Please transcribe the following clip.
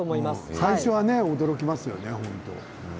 最初は驚きますよね。